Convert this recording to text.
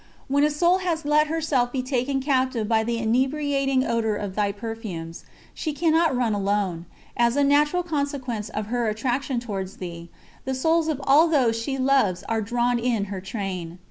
When a soul has let herself be taken captive by the inebriating odour of Thy perfumes, she cannot run alone; as a natural consequence of her attraction towards Thee, the souls of all those she loves are drawn in her train.